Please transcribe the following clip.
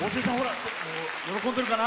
喜んでるかな。